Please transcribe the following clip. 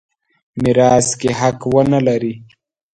میراث کې حق ونه لري.